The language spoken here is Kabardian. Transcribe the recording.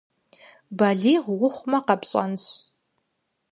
Балигъ ухъумэ къэпщӏэнщ.